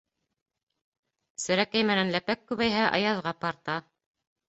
Серәкәй менән ләпәк күбәйһә, аяҙға парта.